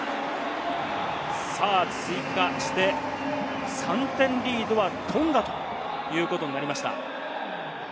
さあ、追加して、３点リードはトンガということになりました。